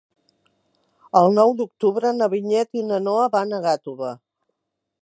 El nou d'octubre na Vinyet i na Noa van a Gàtova.